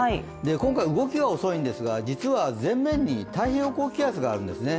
今回、動きは遅いんですが実は前面に太平洋高気圧があるんですね。